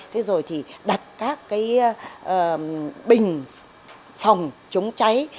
thế rồi thì đặt các cái bình phòng chống cháy